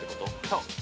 そう。